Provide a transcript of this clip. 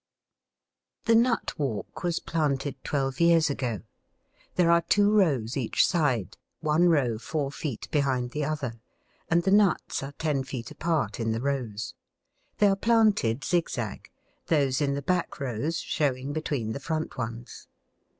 The nut walk was planted twelve years ago. There are two rows each side, one row four feet behind the other, and the nuts are ten feet apart in the rows. They are planted zigzag, those in the back rows showing between the front ones.